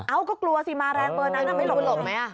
เอ้าก็กลัวสิมาแรงเบิร์นนั้นทำไมหลบ